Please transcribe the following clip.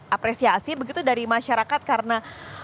apresiasi begitu dari masyarakat karena